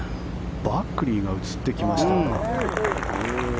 バックリーが映ってきました。